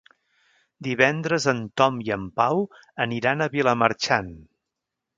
Divendres en Tom i en Pau aniran a Vilamarxant.